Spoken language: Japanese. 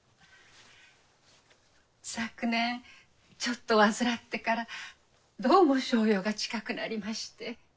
昨年ちょっと患ってからどうも小用が近くなりまして。